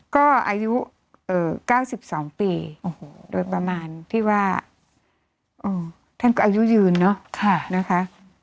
ก็อายุ๙๒ปีโดยประมาณที่ว่าท่านก็อายุยืนเนอะนะคะ